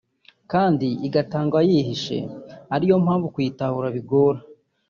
kandi igatangwa yihishe ariyo mpamvu kuyitahura bigorana